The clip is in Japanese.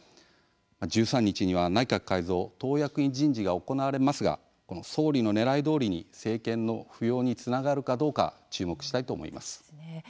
１３日には内閣改造、党役員人事が行われますが総理のねらいどおりに政権の浮揚につながるかどうか注目したいと思います。